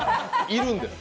いるんです。